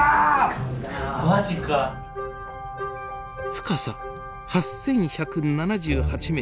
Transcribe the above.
深さ８，１７８ｍ。